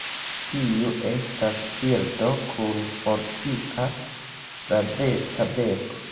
Tiu estas birdo kun fortika, flaveca beko.